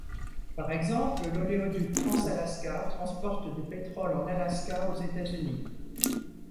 Par exemple, l'oléoduc trans-Alaska transporte du pétrole en Alaska aux États-Unis.